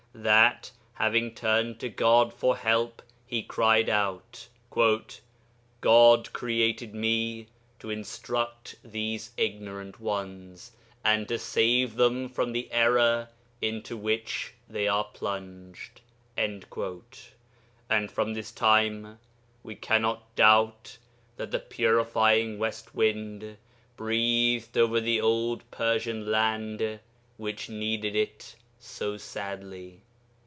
that, having turned to God for help, he cried out, 'God created me to instruct these ignorant ones, and to save them from the error into which they are plunged.' And from this time we cannot doubt that the purifying west wind breathed over the old Persian land which needed it so sadly.